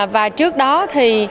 và trước đó thì